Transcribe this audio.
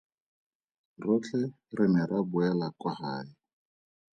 Rotlhe re ne ra boela kwa gae.